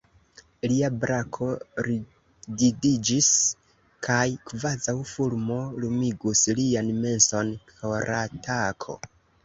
Lia brako rigidiĝis kaj kvazaŭ fulmo lumigus lian menson koratako.